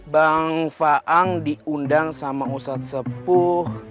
bang faang diundang sama ustadz sepuh